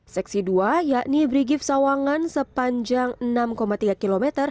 seksi dua yakni brigif sawangan sepanjang enam tiga km